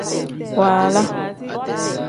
Waala.